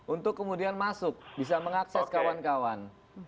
untuk kemudian masuk bisa mengakses kawan kawan